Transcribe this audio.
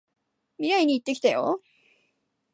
未来に行ってきたよ！